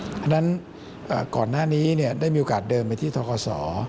เพราะฉะนั้นก่อนหน้านี้ได้มีโอกาสเดินไปที่ทกศ